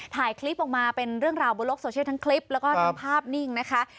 ถ่ายคลิปออกมาเป็นเรื่องราวบนโลกโซเชียลทั้งคลิปแล้วก็ทั้งภาพนิ่งนะคะ